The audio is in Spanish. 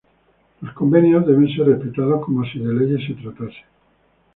Los convenios deben ser respetados como si de leyes se tratase.